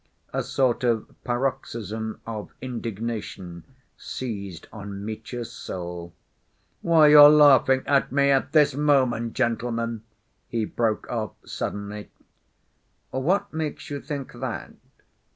A sort of paroxysm of indignation seized on Mitya's soul. "Why, you're laughing at me at this moment, gentlemen!" he broke off suddenly. "What makes you think that?"